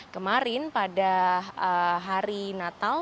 kemarin pada hari natal